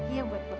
iya buat bekel